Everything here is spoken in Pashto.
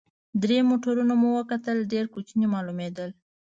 درې موټرونه مو وکتل، ډېر کوچني معلومېدل.